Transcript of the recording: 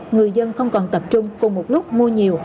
người dân không còn tập trung cùng một lúc mua nhiều